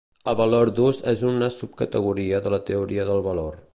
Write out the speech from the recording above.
El Valor d'ús és una subcategoria de la teoria del valor.